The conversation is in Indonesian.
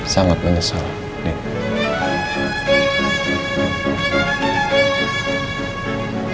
sangat menyesal nino